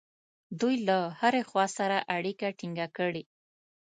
دوی له هرې خوا سره اړیکه ټینګه کړي.